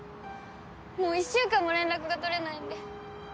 もう１週間も連絡が取れないんで。